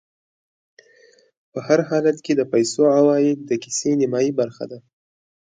په هر حالت کې د پیسو عوايد د کيسې نیمایي برخه ده